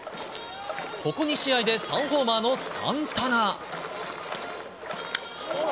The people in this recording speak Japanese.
ここ２試合で３ホーマーのサンタナ。